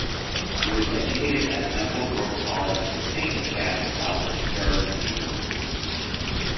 He was educated at Ampleforth College and Saint Chad's College, Durham University.